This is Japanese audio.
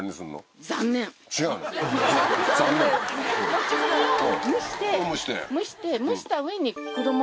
もち米を蒸して蒸した上に黒豆。